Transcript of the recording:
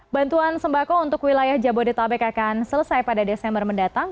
bantuan sembako untuk wilayah jabodetabek akan selesai pada desember mendatang